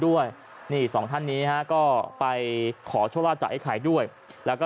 ด้วยนี่สองท่านนี้ฮะก็ไปขอโชคลาภจากไอ้ไข่ด้วยแล้วก็